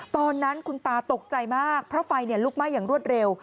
ตอนนั้นคุณตาตกใจมากเพราะไฟลุกไหม้อย่างรวดเร็ว